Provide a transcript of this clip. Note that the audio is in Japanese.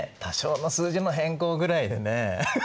多少の数字の変更ぐらいでね